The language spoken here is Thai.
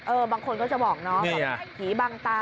เออบางคนก็จะบอกเนอะหิบังตา